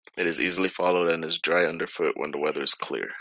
It is easily followed, and is dry underfoot when the weather is clear.